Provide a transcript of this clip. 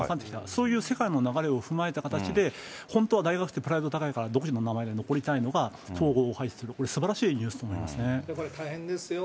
そういう世界の流れを踏まえた形で、本当は大学って、プライド高いから、独自の名前で残りたいのが、統合を開始する、これ大変ですよ。